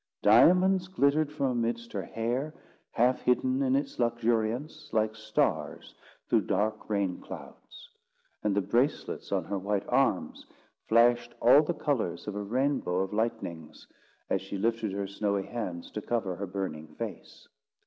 Diamonds glittered from amidst her hair, half hidden in its luxuriance, like stars through dark rain clouds; and the bracelets on her white arms flashed all the colours of a rainbow of lightnings, as she lifted her snowy hands to cover her burning face.